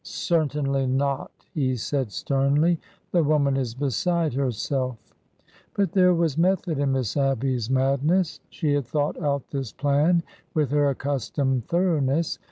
Certainly not ! he said sternly. The woman is be side herself ! But there was method in Miss Abby^s madness. She had thought out this plan with her accustomed thorough ness.